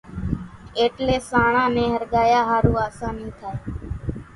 اٽلي سانڻان نين ۿرڳايا ۿارُو آساني ٿائي۔